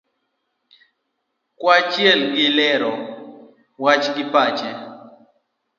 kaachiel gi lero wach gi pache